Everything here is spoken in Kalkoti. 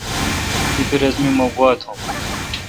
تیپہ رس می مہ گوا تھم۔